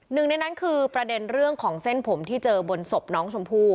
หนึ่งในนั้นคือประเด็นเรื่องของเส้นผมที่เจอบนศพน้องชมพู่